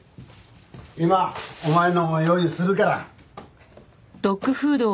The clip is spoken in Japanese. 今お前のも用意するから。